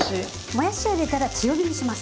もやしを入れたら強火にします。